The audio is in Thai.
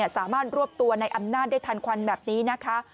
สามารถรวบตัวในอำนาจได้ทันควันแบบนี้นะคะ